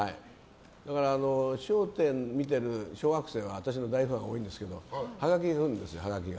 「笑点」を見てる小学生で私の大ファン多いんですけどハガキくれるんですよ。